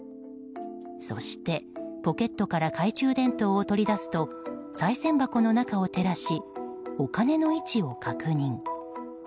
そして、ポケットから懐中電灯を取り出すとさい銭箱の中を照らしお金の位置を確認。